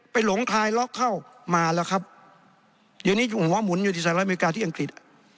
หลงคลายล็อกเข้ามาแล้วครับเดี๋ยวนี้หัวหมุนอยู่ที่สหรัฐอเมริกาที่อังกฤษ